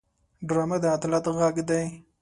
ډرامه د عدالت غږ دی